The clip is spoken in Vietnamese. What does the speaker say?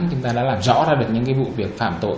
chúng ta đã làm rõ ra được những vụ vi tạm tội